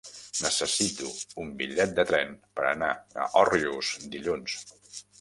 Necessito un bitllet de tren per anar a Òrrius dilluns.